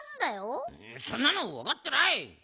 そんなのわかってらい！